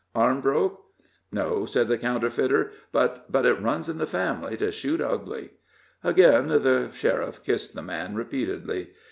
Arm broke?" "No," said the counterfeiter, "but but it runs in the family to shoot ugly." Again the sheriff kissed the man repeatedly.